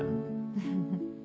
フフフ。